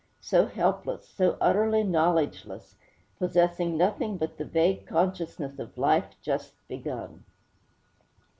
So helpless, so utterly knowledgeless, possessing nothing but the vague consciousness of life just begun!'